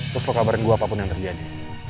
terus kok kabarin gue apapun yang terjadi